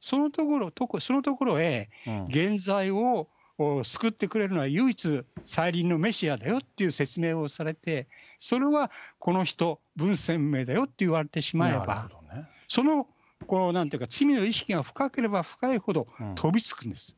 そのところへ原罪を救ってくれるのは唯一、再臨のメシアだよという説明をされて、それはこの人、文鮮明だよって言われてしまえば、その罪の意識が深ければ深いほど飛びつくんです。